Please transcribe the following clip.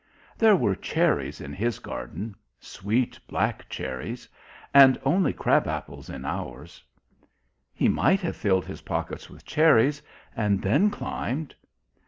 "There were cherries in his garden sweet black cherries. And only crab apples in ours." "He might have filled his pockets with cherries, and then climbed.